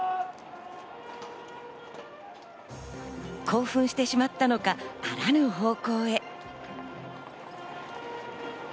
興奮してしまったのか、あらぬ方向へ。